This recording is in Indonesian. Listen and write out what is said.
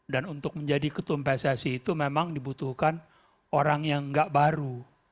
dan untuk menjadi ketumpesan itu memang dibutuhkan orang yang gak baru